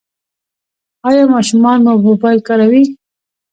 ایا ماشومان مو موبایل کاروي؟